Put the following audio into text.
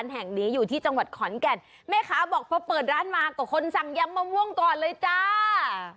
แห่งนี้อยู่ที่จังหวัดขอนแก่นแม่ค้าบอกพอเปิดร้านมาก็คนสั่งยำมะม่วงก่อนเลยจ้า